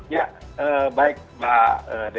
ya baik mbak dea